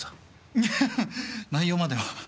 いやあ内容までは。